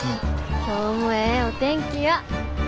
今日もええお天気や。